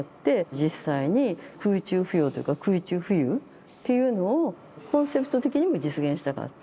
実際に空中浮揚っていうか空中浮遊っていうのをコンセプト的にも実現したかった